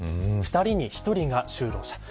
２人に１人が就労者。